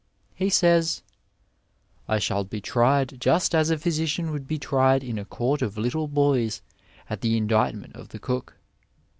He says: '*! shall be tried just as a physician would be tried in a court of littie boys at the indictment of the cook.